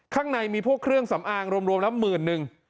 ข้างในมีพวกเครื่องสำอางรวมแล้วหมื่นนึง